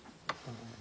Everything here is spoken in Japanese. うん。